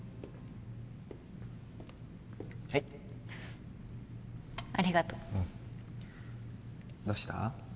はいありがとどうした？